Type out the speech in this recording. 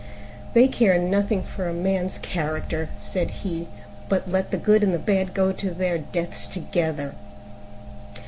"They care nothing for a man's character," said he, "but let the good and the bad go to their deaths together."